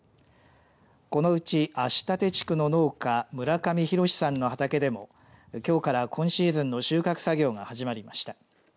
このうち、足立地区の農家村上博さんの畑でもきょうから今シーズンの収穫作業が始まりました。